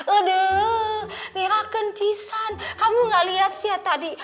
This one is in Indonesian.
aduh ngeraken pisan kamu gak liat siat tadi